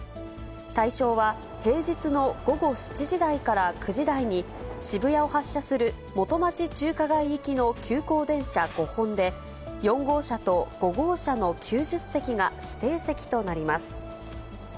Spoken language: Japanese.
対象は、平日の午後７時台から９時台に、渋谷を発車する元町・中華街行きの急行電車５本で、４号車と５号車の９０席が指定席となります。